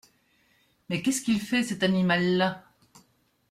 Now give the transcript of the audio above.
Mais qu’est-ce qu’il fait, cet animal-là ?